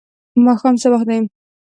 ماښام څه وخت دی؟